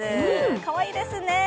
かわいいですね。